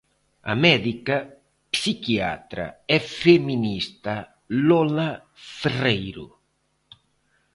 A médica, psiquiatra e feminista Lola Ferreiro.